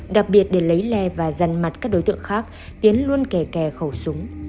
đặc biệt để lấy le và dằn mặt các đối tượng khác tiến luôn kè kè khẩu súng